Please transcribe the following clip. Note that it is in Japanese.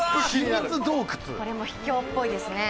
これも秘境っぽいですね。